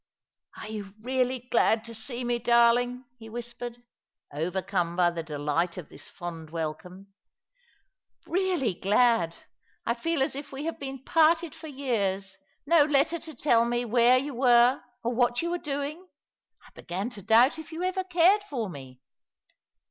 " Are you really glad to see me, darling ?" he whispered, overcome by the delight of this fond welcome. " Really glad. I feel as if we had been parted for years. No letter to tell me where you were or what you were doing ! I began to doubt if you ever cared for me."